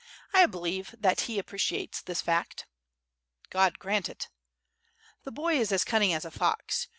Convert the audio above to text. I believe that he appreciates this fact." "God grant it." "The boy is as cunning as a fox.